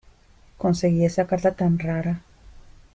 Conseguí esa carta tan rara.